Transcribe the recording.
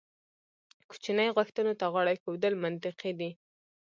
کوچنۍ غوښتنو ته غاړه ایښودل منطقي دي.